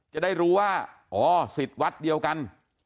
จะได้รู้ว่าอ๋อสิทธิ์วัดเดียวกัน